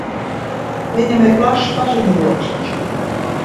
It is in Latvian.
Viņam ir plašs paziņu loks taču.